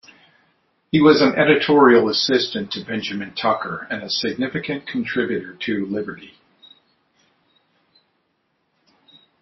He was an editorial assistant to Benjamin Tucker, and a significant contributor to "Liberty".